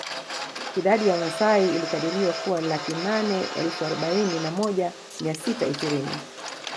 Idadi ya Wamasai ilikadiriwa kuwa laki nane elfu arobaini na moja mia sita ishirini